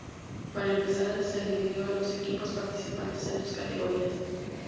Para empezar se dividió a los equipos participantes en dos categorías.